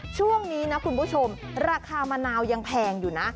ช่วงนี้นะคุณผู้ชมราคามะนาวยังแพงอยู่นะ